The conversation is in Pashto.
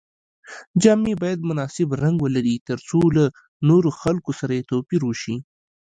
جامې باید مناسب رنګ ولري تر څو له نورو خلکو سره یې توپیر وشي.